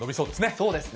そうですね。